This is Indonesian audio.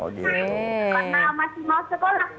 karena masih mau sekolah